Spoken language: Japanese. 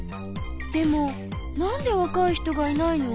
でもなんでわかい人がいないの？